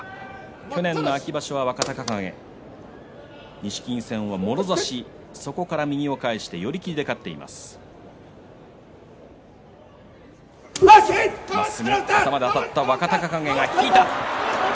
去年の秋場所は若隆景錦木戦もろ差しそこから右を返して寄り切りで勝っています。